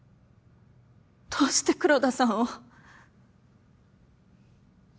どうして黒田さんを。